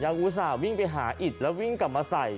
อุตส่าห์วิ่งไปหาอิดแล้ววิ่งกลับมาใส่